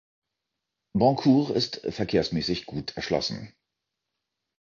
Boncourt ist verkehrsmässig gut erschlossen.